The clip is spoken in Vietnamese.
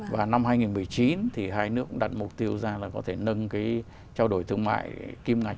và năm hai nghìn một mươi chín thì hai nước cũng đặt mục tiêu ra là có thể nâng cái trao đổi thương mại kim ngạch